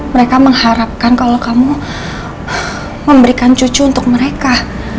mereka mengharapkan kalau kamu memberikan cucu untuk mereka